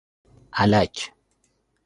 الک